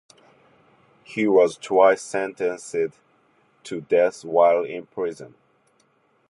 He was twice sentenced to death while in prison.